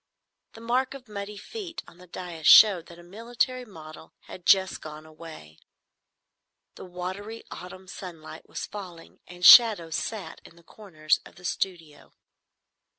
The mark of muddy feet on the dais showed that a military model had just gone away. The watery autumn sunlight was falling, and shadows sat in the corners of the studio.